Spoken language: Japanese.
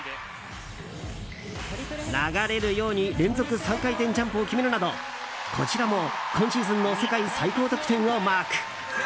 流れるように連続３回転ジャンプを決めるなどこちらも今シーズンの世界最高得点をマーク。